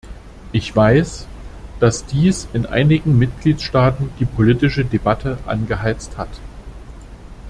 Ich weiß, dass dies in einigen Mitgliedstaaten die politische Debatte angeheizt hat.